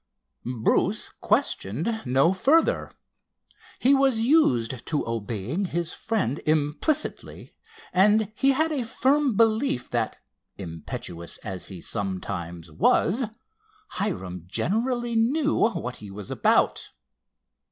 Bruce questioned no further. He was used to obeying his friend implicitly and he had a firm belief that, impetuous as he sometimes was, Hiram generally knew what he was about.